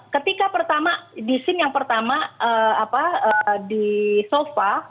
ketika pertama di scene yang pertama di sofa